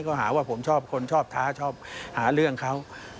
เขาหาว่าผมชอบคนชอบท้าชอบหาเรื่องเขา